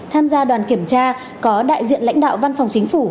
tham gia đoàn kiểm tra có đại diện lãnh đạo văn phòng chính phủ